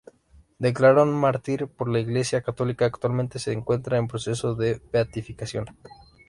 Declarado mártir por la Iglesia católica, actualmente se encuentra en proceso de beatificación.